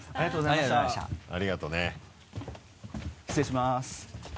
失礼します。